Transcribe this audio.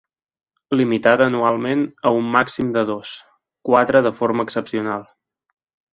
Limitada anualment a un màxim de dos, quatre de forma excepcional.